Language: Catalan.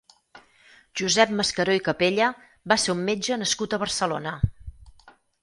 Josep Mascaró i Capella va ser un metge nascut a Barcelona.